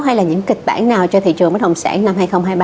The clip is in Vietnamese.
hay là những kịch bản nào cho thị trường bất động sản năm hai nghìn hai mươi ba